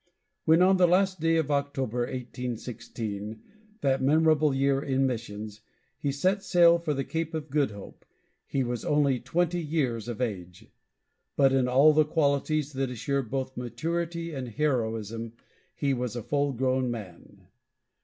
When on the last day of October, 1816, that memorable year in missions, he set sail for the Cape of Good Hope, he was only twenty years of age. But in all the qualities that assure both maturity and heroism, he was a full grown man.